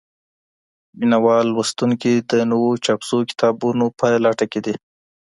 مينه وال لوستونکي د نويو چاپ سوو کتابونو په لټه کي دي.